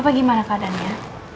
papa gimana keadaannya